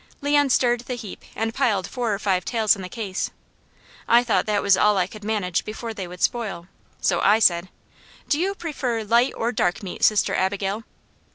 Leon stirred the heap and piled four or five tails in the case. I thought that was all I could manage before they would spoil, so I said: "Do you prefer light or dark meat, Sister Abigail?"